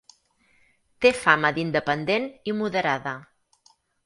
Té fama d'independent i moderada.